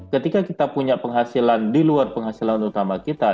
ketika kita punya penghasilan di luar penghasilan utama kita